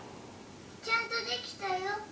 ちゃんとできたよ！